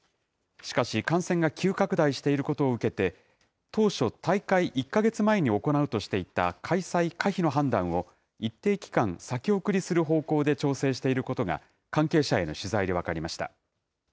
しかし、感染が急拡大していることを受けて、当初、大会１か月前に行うとしていた開催可否の判断を、一定期間先送りする方向で調整していることが、関係者への取材で分かりました。